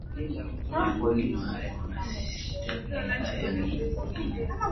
miongoni mwa mashitaka hayo ni lile